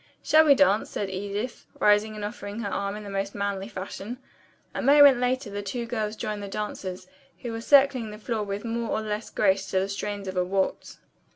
"Shall we dance?" said Edith, rising and offering her arm in her most manly fashion. A moment later the two girls joined the dancers, who were circling the floor with more or less grace to the strains of a waltz.